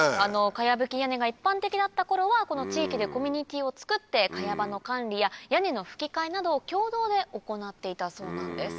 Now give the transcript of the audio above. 茅葺き屋根が一般的だった頃は地域でコミュニティーをつくって茅場の管理や屋根の葺き替えなどを共同で行っていたそうなんです。